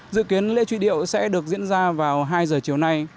dự kiến lễ truy điệu sẽ được diễn ra vào hai giờ chiều nay